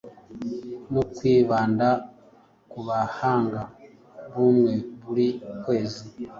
no kwibanda kubuhanga bumwe buri kwezi